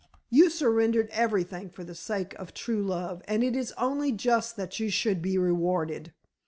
You surrendered everything for the sake of true love, and it is only just that you should be rewarded.